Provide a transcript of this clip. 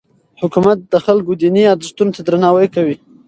حکومت د خلکو دیني ارزښتونو ته درناوی کوي.